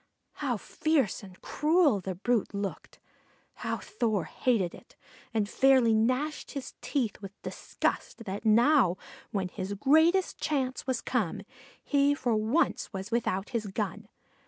How fierce and cruel the brute looked! How Thor hated it! and fairly gnashed his teeth with disgust that now, when his greatest chance was come, he for once was without his gun.